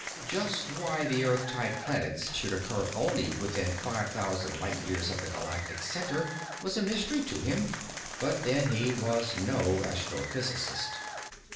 Just why Earth type planets should occur only within five thousand light years of the Galactic Center was a mystery to him, but, then, he was no astrophysicist.